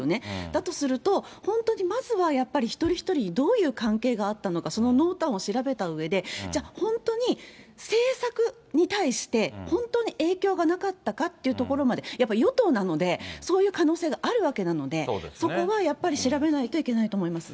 だとすると、本当にまずは、やっぱり一人一人どういう関係があったのか、その濃淡を調べたうえで、じゃあ、本当に政策に対して本当に影響がなかったかというところまで、やっぱり与党なので、そういう可能性があるわけなので、そこはやっぱり調べないといけないと思います。